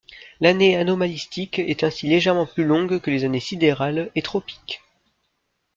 L'année anomalistique est ainsi légèrement plus longue que les années sidérale et tropique.